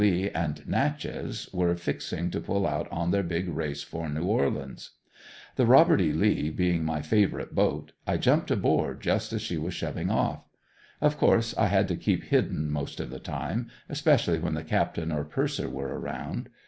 Lee" and "Natchez" were fixing to pull out on their big race for New Orleans. The "Robert E. Lee" being my favorite boat, I jumped aboard just as she was shoving off. Of course I had to keep hidden most of the time, especially when the captain or purser were around.